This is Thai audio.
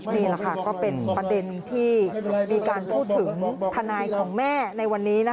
นี่แหละค่ะก็เป็นประเด็นที่มีการพูดถึงทนายของแม่ในวันนี้